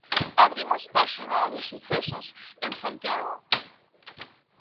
Abrimos páxina de sucesos en Santiago.